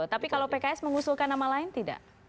tapi kalau pks mengusulkan nama lain tidak